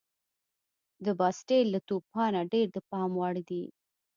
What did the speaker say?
د باسټیل له توپانه ډېر د پام وړ دي.